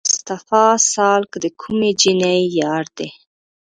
مصطفی سالک د کومې جینۍ یار دی؟